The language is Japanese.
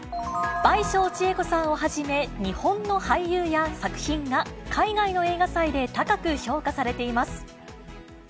倍賞千恵子さんをはじめ、日本の俳優や作品が、海外の映画祭で高く評価されています。